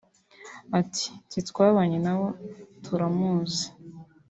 ati twe twabanye nabo turamuzi